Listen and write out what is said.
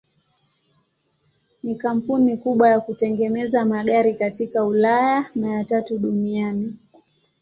Ni kampuni kubwa ya kutengeneza magari katika Ulaya na ya tatu duniani.